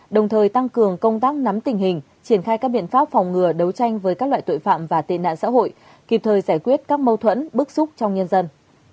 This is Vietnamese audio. đồng thời tăng cường công tác nắm tình hình triển khai các biện pháp phòng ngừa đấu tranh với các loại tội phạm và tên nạn xã hội kịp thời giải quyết các mâu thuẫn bức xúc trong nhân dân